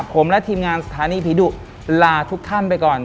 ผมและทีมงานสถานีผีดุลาทุกท่านไปก่อน